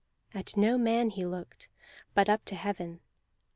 At no man he looked, but up to heaven.